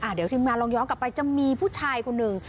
เดี๋ยวทีมงานลองย้อนกลับไปจะมีผู้ชายคนหนึ่ง